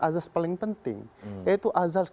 azas paling penting yaitu azas